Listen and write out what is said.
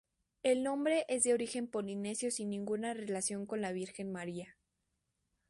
El nombre es de origen polinesio sin ninguna relación con la Virgen María.